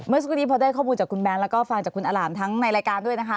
เมื่อสักครู่นี้พอได้ข้อมูลจากคุณแบงค์แล้วก็ฟังจากคุณอล่ามทั้งในรายการด้วยนะคะ